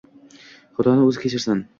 Xudoni o‘zi kechirsin.